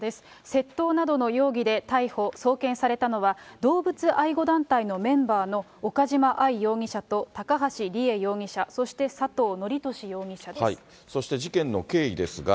窃盗などの容疑で逮捕・送検されたのは、動物愛護団体のメンバーの岡島愛容疑者と高橋里衣容疑者、そして、事件の経緯ですが。